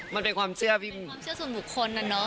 มันเป็นความเชื่อส่วนหมู่ค้น